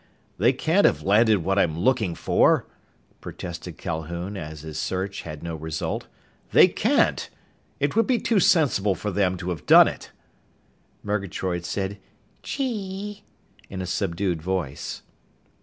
"They can't have landed what I'm looking for!" protested Calhoun as his search had no result. "They can't! It would be too sensible for them to have done it!" Murgatroyd said "Chee!" in a subdued voice.